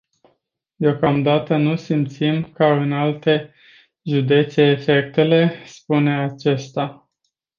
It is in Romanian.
Deocamdată nu simțim ca în alte județe efectele, spune acesta.